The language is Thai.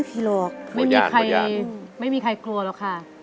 พี่กบไม่มีใครโกรธแล้วค่ะ